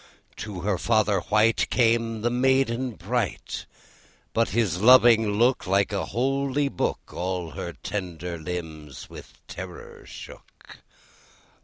To her father white Came the maiden bright; But his loving look, Like the holy book, All her tender limbs with terror shook.